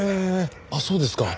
あっそうですか。